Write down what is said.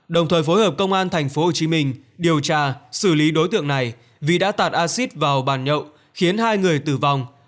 đồng thời phối hợp công an tp hcm điều tra xử lý đối tượng này vì đã tạt acid vào bàn nhậu khiến hai người tử vong